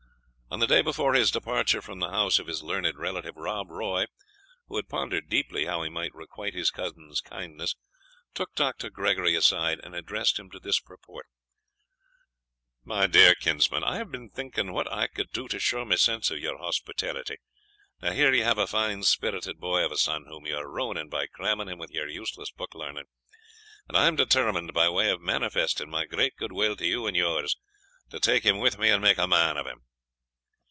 On the day before his departure from the house of his learned relative, Rob Roy, who had pondered deeply how he might requite his cousin's kindness, took Dr. Gregory aside, and addressed him to this purport: "My dear kinsman, I have been thinking what I could do to show my sense of your hospitality. Now, here you have a fine spirited boy of a son, whom you are ruining by cramming him with your useless book learning, and I am determined, by way of manifesting my great good will to you and yours, to take him with me and make a man of him."